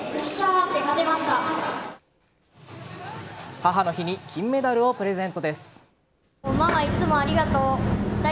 母の日に金メダルをプレゼントです。